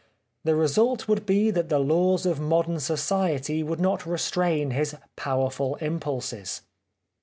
The re sult would be that the laws of modern society would not restrain his powerful impulses.